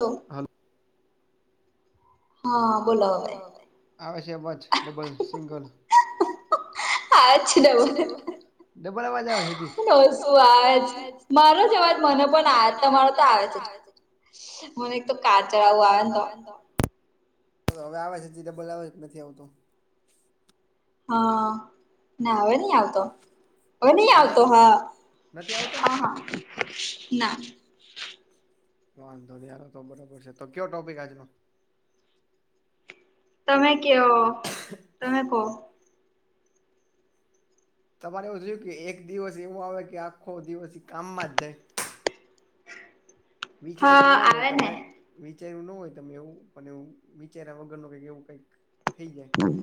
તો. હા, બોલો હવે. આવે છે અવાઝ ડબલ સિંગલ? આવે છે ડબલ ડબલ અવાજ આવે છે હજી. હા શું આવે છે. મારો જ એવાજ મને પણ તમારો તો આવે છે. તમારો તો આવે છે. મને એક તો કાચળ આવે ને તો હવે આવે છે જી ડબલ આવે નથી આવતો? હા, ના હવે નહી આવતો. હવે નહી આવતો. હા હા હા ના. વાંધો નહીં હવે તો બરાબર છે. તો કયો ટોપિક આજનો? તમે કેવો. તમે કો. તમારે એવું જોયું કે એક દિવસ એવો આવે કે આખો દિવસ કામમાં જાય? વિચાર્યું નો હોય તમે વિચાર્યું નો હોય તમે એવું પણ એવું વિચાર્યા વગર ન કઈ એવું કઈક થઈ જાય. હમ્મ,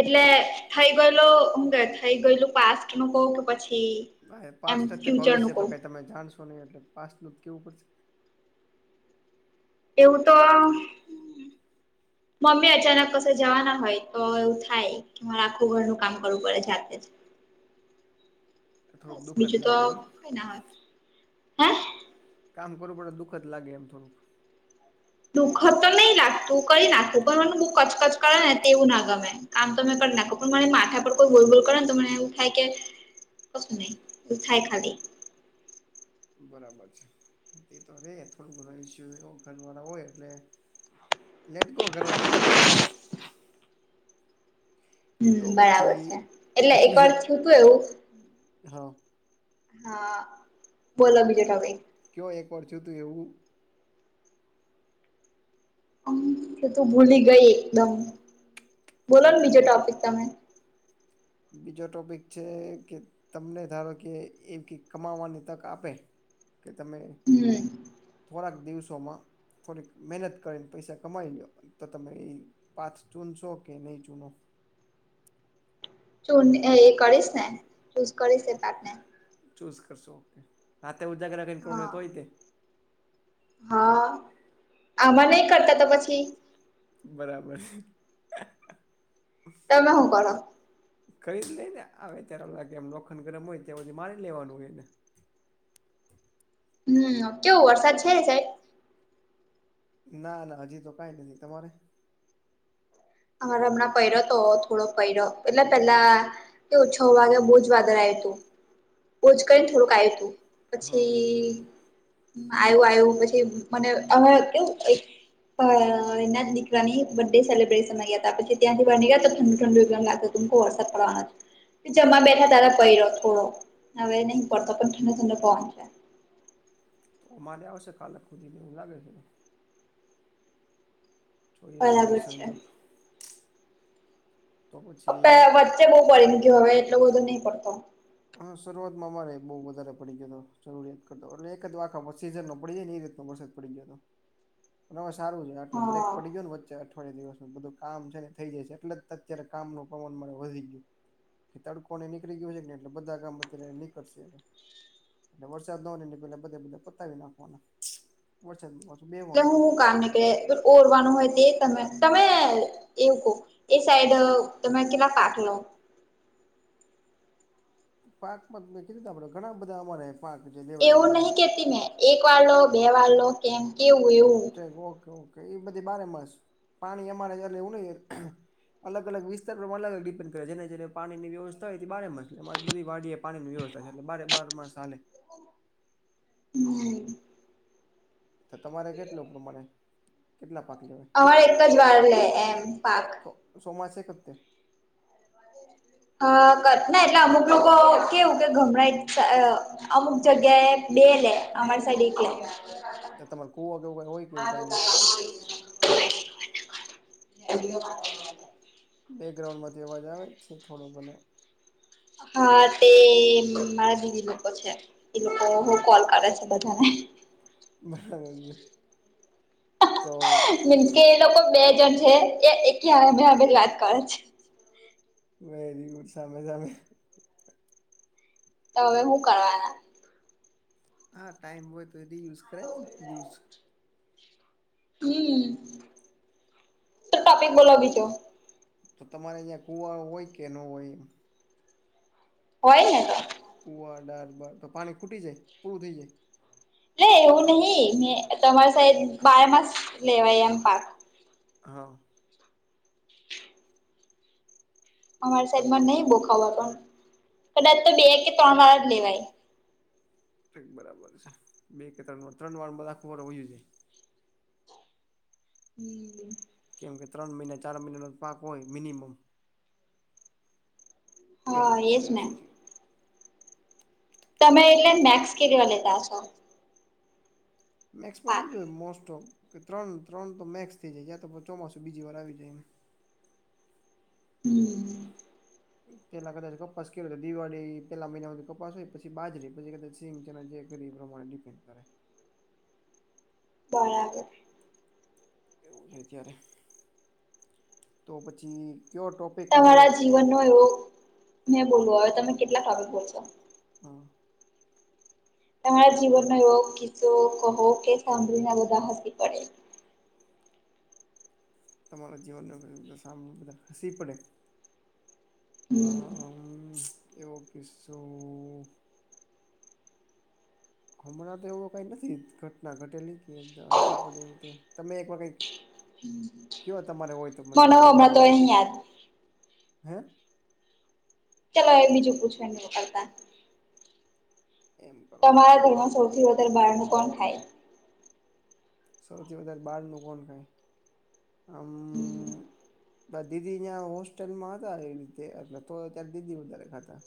એટલે થઇ ગયેલો હું કે થઈ ગયલું પાસીમું કહું કે પછી? અહ પાસ્ટ તે ભવિષ્ય તો કઈ તમે જાણશો નહી એટલે પાસ્ટનું જ કેવું પડશે. એવું તો મમ્મી અચાનક કસે જવાના હોય તો એવું થાય. મારા આખું ઘરનું કામ કરવું પડે જાતે જ. બીજું તો ના હો હૈ? કામ કરવું પડે દુઃખ જ લાગે એમ થોડું. દુઃખ તો નહી નાખતું કરી નાખું પણ મને બહુ કચ કચ કરે ને તે એવું ના ગમે કામ તો તમે કરી નાખો. પણ મારા માથા પર કોઈ બોલ બોલ કરે તો મને થાય કે કશું નહીં. એવું થાય ખાલી. બરાબર છે. તે તો રે થોડું ઘધું ઈસ્યુ એવ ઘર વાળા હોય એટલે લેટ ગો કરવાનું. હમ્મ, બરાબર છે. એટલે એકવાર થું તું એવું હા. હા, બોલો બીજા ટોપિક. કયો એક વાર જોય તું એવું અમ્મ હું તું ભૂલી ગઈ એકદમ. બોલો ને બીજો ટોપિક તમે. બીજો ટોપિક છે કે તમને ધારો કે એ કમાવાની તક આપે કે તમે. હું. થોડાક દિવસોમાં થોડીક મહેનત કરીને પૈસા કમાઈ લ્યો ઈ તો તમેઈ પાથ ચૂનસો કે નહી ચૂનો? ચુ એ કરીશ ને ચૂઝ કરીશ એ પાથ ને. ચૂઝ કરશો ઓકે. રાતે ઉજાગરા રહી ને કહું તો હિ તે હા આમાં નહી કરતા તો પછી. બરાબર. તમે હું કરો. ખરીદ લઈ ને આવે ત્યારે લાગે એમ લોખંડ ગરમ હોય ત્યાં પછી મારે લેવાનું હોય ને. હમ કેવો વરસાદ છે સાહેબ. ના ના હજી તો કઈ નથી તમારે. અમારે હમણાં પહેરો તો થોડો પહેરો્યો એટલે પેલા તે છ વાગ્યા બોુજ વાદળ આવ હતું બોજ કરીને થોડુંક આવ્યું હતું. પછી આવું આવું પછી મને અમે કેવું. અ એના દિકરા ની બર્ડે સેલિબ્રેટ. ગયા હતા પછી ત્યાંથી બાર નીકળા તો ઠડુ ઠંડુ પણ લાગતું તુ બો વરસાદ પડવાના. જમા બેઠા તારા પયરો થોડો હવે નહીં પડતો પણ ઠંડો ઠંડો પવન લાગે. તો અમારે આવશે કાલે સુધી એવું લાગે છે. જો એ સમય સમજબ. અ પે વચ્ચે બહુ પડી ગયયો હવે એટલું બધું ન‌ઇ પડતો. હા શરૂઆતમાં અમારે બઉુ વધારે પડી ગયો હતો જરૂરિયાત કરતો એટલે એક જ આખા સીઝન નો પડી જાય ને એ રીતનો વરસાદ. પડી ગયો તો હવે સારું છે આટલો બ્રેક પડી ગયો ને વચ્ચે. થો દિવસ બધું કામ છે ને થઈ જાય છે એટલે જ અત્યારે કામ નું પ્રમાણ મા વધી ગયું. કે તડકોને નીકળી ગયો હેને એટલે બધા ગામમાંથી નીળશે હવે. એટલે વરસાદ નો એની પેલા બધે બધા પતાવી નાખવાનાં. વરસાદ માં પાછું બેવાનું થઈ જાય. ઓરવાનું હોય તે તમે તમે એવું કોહ એ સાઈડ તમે કેટલા પાક લો. પાક માં તમે કીધી કે આપડે ઘણા બધા અમારે પાક જે લેવાય. એક વાર લો બે વાર લો. કેમ કેયું એવું. કે ઓકે ઓકે એ બધી બારે માસ પાણી અમારે જયારે લેવું નહી. અલગ અલગ વિસ્તારમાં અલગ અલગ ડિપેન્ડ કરે જે જેને જેને પાણીની વ્યવસ્થ હોય એ બારે માય. એટલે બધી વાડી એ પાણીની વેવસ્થા છે એટલે બારે બાર માસ હાલે. હમ્મ. તો તમારે કેટલું પ્રમાણે અમાર એક જ વાર લે એમ પાક. ચોમાસે એકતે. અ ના એટલે અમુક લોકો કેવું કે ગમણા એક સા અ. અમુક જગ્યાએ બે લે અમાર સાઈડ એક લે. [unintelligible] [unintelligible] બેકગ્રાઉન્ડ માંથી અવાજ આવે છે થોડો ઘણો. હા તે એક મારા દીદી લોકો છે એ લોકો હું કોલ કરે છે. બધા ને. બરાબર છે [inaudible] મીન્સ કે એ લોકો બે જણ છે એ એક હામે હામે વાત કરે છે. વેરી ગુડ સામે સામે. તો હવે હું કરવાના. હા ટાઈમ હોય તો એદી યુઝ કરે ને યુઝ. હમ્મ તો ટોપિક બોલોઓ બીજો? તો તમારે ઇયા કુવા હોય કે નો હોય. હોય ને તો. કુવા ડર બર તો પાણી ખૂટી જાય પૂરું થઈ જાય. ને એવું નહી મે તમારા સાઇડ બારે માસ લેવાય એમ પાક. હા. અમારી સાઈડમાં નહી બોખવા પણ, કદાચ તો બે કે ત્રણ વાર જ લેવાય. ક બરાબર છે, બે કે ત્રણ વાર ત્રણ વાર માં આખું વર વ્યુ જાય. [inaudible] કેમ કે ત્રણ મહિના ચાર મહિનાનો પાક હોય મિનિમમ. પહેલેથી છેલ્લા સુધી. તમે એટલે મેક્સ કેટલી વાર લેતા હછો? મેક્સમાં જો મોસ્ટ ઓફ કે ત્રણ ત્રણ તો મેક્સ થઈ જાય જ તો ચોમાસું બીજી વાર આવી જાય એમ. [unintelligible] પેલા કદાચ કપાસ કેવી દિવાળી પેલા મહિનામાં કપાસ હોય પછી બાજરી પછી કદાચ સિંગ જે કરી એ પ્રમાણેે ડીપેન્ડ કરે. બરાબર. એવું છે ત્યારે, તો પછી કયો ટોપ તમારા જીવનનો એવો નહી બોલવું હવે તમે કેટલાક બોલ છો? હા. તમારા જીવનનો એવો કિસ્સો કહો કે સાંભળીને બધા હસી પડે. તમારા જીવન સામ બધા હસી પડે, આ હમ્મ એવો કિશો હમણાં તો એવું કઈ નથી ઘટના ઘટેલી કે હસી પડે એ રીતે તમે એક વાર કઈ હ [inaudible] કેવા તમારે હોય મને હમણા તો નહીંયાત. હા? ચાલો બીજું પૂછવા ન કરતા. તમારા ઘરમાં સૌથી વધારે બારનું કોણ થાય? સૌથી વધારે બાર ન કોણ કાય, આમ દીદી અ્યાં હોસ્ટેલમાં હતા એવી રીતે એટ તો ત્યારે દીદી વધારે ખાતા.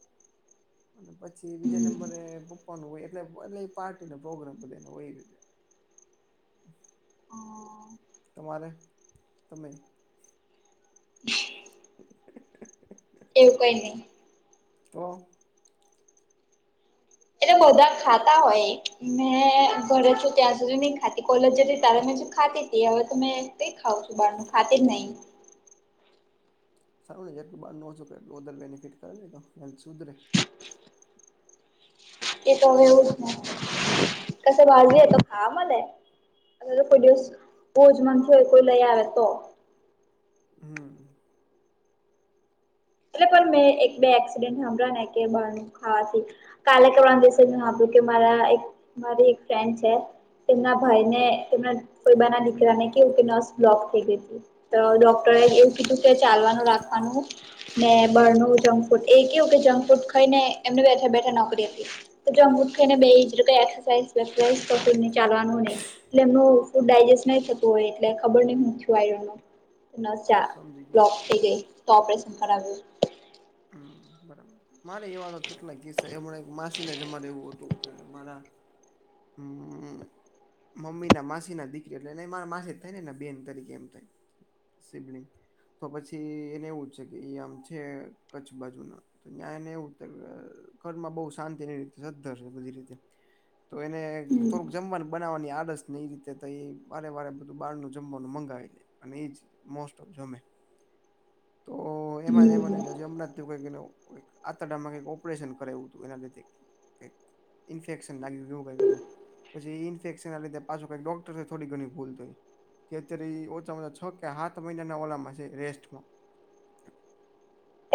અને પછી બીજા નંબરે પુપ્વાનું હોય એટલે એટલે પાર્ટી ન પ્રોગ્રામ બધે એને હોય રીતેે. હ. તમારે, તમે [inaudible] એવું કોઈ નહી. તો એટલે બધા ખાતા હોય મેં ઘરે છું ત્યાં સુધી નહી ખાતી કોલેજ જ હતી તારે મેં ખાતી તે હવે તો મેં તે ખાવં છું બહાર નું ખાતે જ નહી. સારું ને જેટલું બાર નો છો કે એટલું વધ બેનિફિટ કરે નને તો હેલ્થ સુધરે. એક તો હવે રોજને કશું ભાર જઈએ તો ખાવા મલે. કોઈ દિવસ બહુજ મન થાય તો લઈ આવે તો. હમ્મ. એટલે પણ મેં એક બે એક્સિડેન્ટ સાંભળ્યા ને કે બાર ખાવાથી કાલે કરવા દિવસે સાંભળ્યું મારા એક મારી એક ફ્રેન્ડ છે તેમના ભાઈ ને તેમના કોઈબા ના દીકરાને કેવું કે નસ બ્લોક થઈ ગઈ હતી. તો ડોક્ટરે એવું કીધું કે ચાલવાનું રાખવાનું ને બનું જંક ફૂડ એ કેવું કે જંક ફૂડ ખાઈને એમને બેઠા બેઠા નોકરી હતી. તો જમકુ ખને બે એક્સાઇઝ તોને ચાલવવાનું નહી. એટલે એમનું ફૂડ ડાયજેસ્ટ નહીં થતું હોય એટલે ખબર નહીં મૂછઆયો એનો. નસ આ બ્લોક થઈ ગઈ તો ઓપરેશન કરાવ્યું. હમ્મ, બરાબર. મારે એવા તો કેટલા કસા એમ માસીને જમારે એવું હતું કે મારા હમ્મ અમ્મ. મમ્મી ના માસી ના દીકરી એટલે મારા માસે જ થાય ને બેન તરીકે એમ થાય. સિબલિંગ તો પછી એને એવું છે કે એ આમ છે કચ્છ બાજુના. તો જ્યાયને એવું ઘરમાં બહ શાંતિ ની રીતે સદ્ધર છે બધી રીતે. તો એને થોડુંક જમવાની બનાવવાની આડસ ને એ રીતે તો એ વારે વારે બ ધું બારનું જમવાનું મગાવી લે અને એ જ મોસ્ટ ઓફ જમે. [inaudible] તો એમાં ને એમાં ને એમ લાગતું કઈ ને કો આંતરડા કક ઓપરેશન કરેું હતું એના લીધે. કઈક ઇન્ફેક્શન લાગ્યું કેવું કઈક હતું. પછી ઇન્ફેક્શન ના લીધ પાછું કઈક ડોક્ટર થોડી ઘણી ભૂલ થઈ. કેતરી ઓછામાં છ કે હાથ મહિનાના ઓલામાં છે રેસ્ટમાં.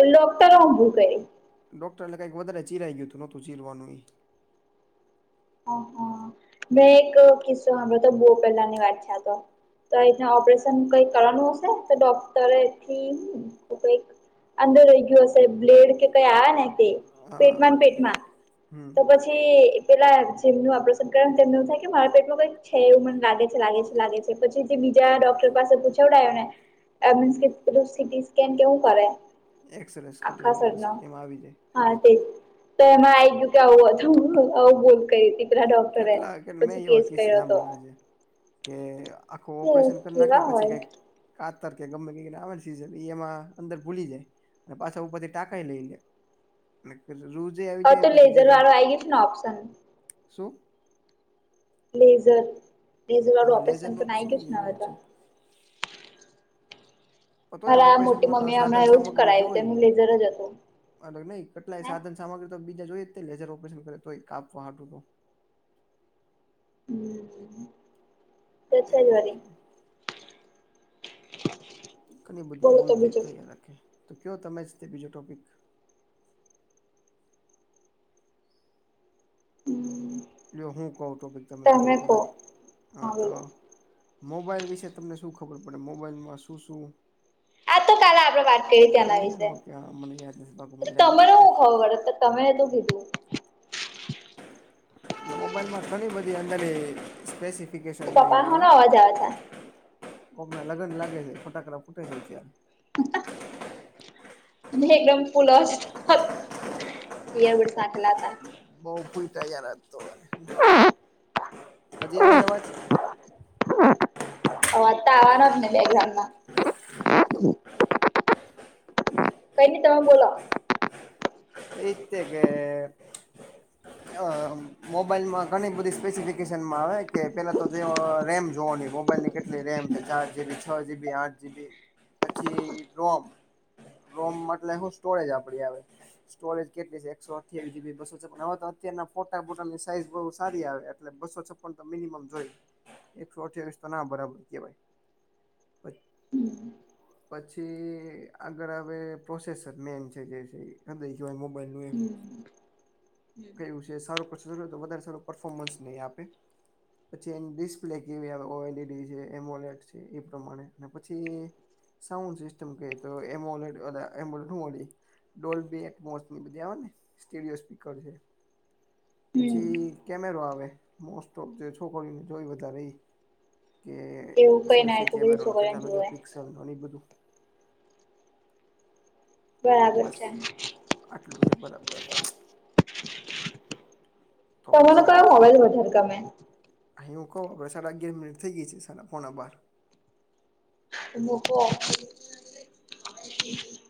એ ડોક્ટરો ભૂલ કરી. ડોક્ટર લખાય કે વધારે ચીરાઈ ગયું હતું નથુ ચીરવાનું એ. હા, હા. મેં એક કિસ્સો હરો તો બો પહેલા ની વાત છે આ તો. તો એના ઓપરેશન કઈક કરવાનું હશે તો ડોક્ટરે થી એ કઈક અંદર રહી ગયયો હશે બ્લેડ કે કઈ આવે ને તે પેટમાં પેટમાં. પછી પેલા જેમનું ઓપરેશન કરે તેમને એવું થાય કે મારા પેટમાં કઈક છે એવું મને લાગે છે લાગે છે લાગે છે પછી જે બીજા ડોક્ટર પાસે પૂછી કવડાયો એને એમ મીન્સ કે પેલું સી ટી સ્કેન કે હું કરે એક્સ રે એમાં આવી જાય સિ ટી સ્કેન. તો એમાં આ ગયું કે આવું આવું બોલ કરી હતી. કેટલા કે મૈ એવા કસે સાંભળેલા છે કે આખું ઓપરેશન કર નાખે પછી કઈક કાતર કે ગમેને આવે સીજર એમાં એ અંદર ભૂલી જાય અને પાછા ઉપરથી ટાંકાઈ લઈ લે રોજે આવી જાય પછી જયારે હૈ ઇજ ના ઓપ્શન શું? લેઝર લેઝરવાળું ઓપરેસન તો આઈ ગયું છે ને હવે તો ટનતો ઓપરેશન માં તો સાધન સામગ્રી જોઈ અલગ નહી કેટલાય સાધન સામગ્રી તો બીજા જોઈએ લેઝર ઓપરેશન કરે તો કાપવા હટું તો હમ્મ, તે છેજ વરી. ઘણી બધી ભોલતી થઈ રાખે તો કયો તમે જ તે બીજો ટોપિક. હમ્મ. એ હું કહું ટોપિક તમે જોની પેલા હા તો મોબાઈલ વિશે તમને શું ખબર પડે મોબાઈલમાં શું શું આ તો કાલે આપડે વાત કરી તના વિશે તમારો ખબર પડે તમે તો કીધું ને મોબાઈલમાં ઘણી બધી અંદર સ્પેસિફ થીગે સો નહીં આવે લગન લાગે છે ફટાકડા ફૂટે છે અ્યારે ને એકદમ ફુલસ [inaudible] નાખલા હતા. બઉ ફૂટ આજ તો હજી આવે છે અવાજ? અવાજ તો આવાનાજ બેકગ્રાઉન્ડ માં. હ કઈ ને તમે બોલો એ રીતે કે અહ મોબાઈલમાં ઘણી બધી સ્પેસિફિકેશનમાં આવે કે પેલા તો જે કે અહ રેમ જોવાની મોબાઈલની કેટ ને રેમ કે ચાર જી બી છ જી બી આઠ જી બી પછી રોમ રોમ એટલે શું સ્ટોરેજ આપડી આવે. સ્ટોરેજ કેટલી છે એકસો અઠ્યાવી જી બસો છપન હવે તો અતારના ફોટા બોટાની સાઈઝ બહુ સારી આવે એટલે બસો છપ પન તો મિનિમમ જોય એકસો અઠ્યાવીસ તો ના બરાબર કેહવાય. હમ્મ. પછી આગળ હવે પ્રોસેસર મેન છે જે છે હૃદય જો મોબાઈલ નું એ કયું સાર પ્રોસેય તો વધારે સારું પર્ફોર્મન્સ નહીં આપે પછી એની ડિસ્પ્લે કેવી આવે ઓ એલડી છે એમોલેટ છે એ પ્રમાણે અને પછી સાઉન્ડ સિસ્ટમ કે તો એમોલેડ અને ઇમ હુ વરી ડોલબી મોસ્ટલી બઘી આવે ને સ્ટડિયો સ્પીકર છે પછી કેમેરો આવે મોસ્ટ ઓફ જે છોકરીને જોઈ વધારે ઈ. કે સેલ્ફી કેમેરો કેટલા મેગા પિક્સેલ ને એ બધું બરાબર છે આટલું હે બરાબર તમારો કયો મોબાઈલ વધારે ગમે એઈ હું કવ [unintelligible] સાડા અગિયાર મિનીટ થઈ ગઈ છે સાડા પોણા બાર [inaudible]